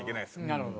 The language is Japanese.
なるほど。